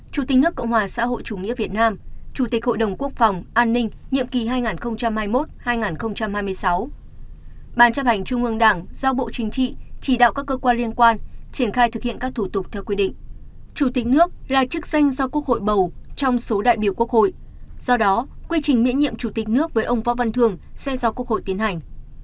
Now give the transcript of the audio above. chủ tịch nước là chức danh do quốc hội bầu trong số đại biểu quốc hội do đó quy trình miễn nhiệm chủ tịch nước với ông võ văn thường sẽ do quốc hội tiến hành